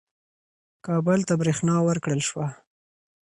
کابل ته برېښنا ورکړل شوه.